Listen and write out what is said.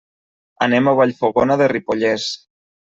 Anem a Vallfogona de Ripollès.